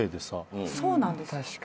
そうなんですよ。